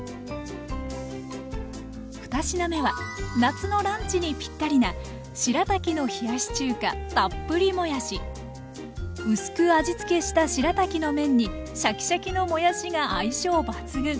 ２品目は夏のランチにぴったりな薄く味付けしたしらたきの麺にシャキシャキのもやしが相性抜群！